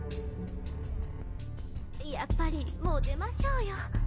・やっぱりもう出ましょうよ。